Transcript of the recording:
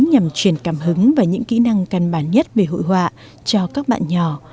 nhằm truyền cảm hứng và những kỹ năng căn bản nhất về hội họa cho các bạn nhỏ